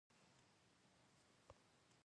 د کافي بوی کور ډک کړ.